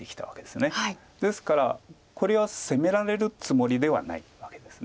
ですからこれは攻められるつもりではないわけです。